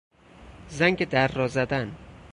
زنگ در را زدن